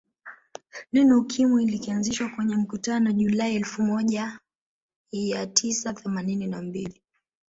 Neno Ukimwi likaanzishwa kwenye mkutano Julai elfu moja ia tisa themanini na mbili